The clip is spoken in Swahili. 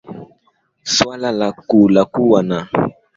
swala laku lakuwa na